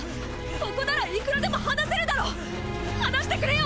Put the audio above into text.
ここならいくらでも話せるだろ⁉話してくれよ！！